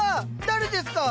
誰ですか？